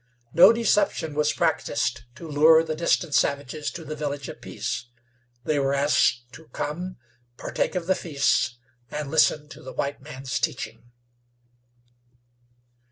No deception was practiced to lure the distant savages to the Village of Peace. They were asked to come, partake of the feasts, and listen to the white man's teaching.